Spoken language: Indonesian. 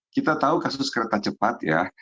kita tahu kasus kereta cepat ya